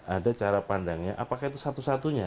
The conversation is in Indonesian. ada cara pandangnya apakah itu satu satunya